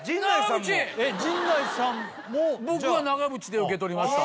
えっ陣内さんも僕は長渕で受け取りました